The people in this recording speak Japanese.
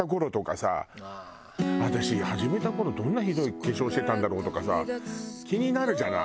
私始めた頃どんなひどい化粧してたんだろう？とかさ気になるじゃない。